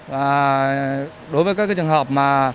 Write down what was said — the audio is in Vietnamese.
và đối với các trường hợp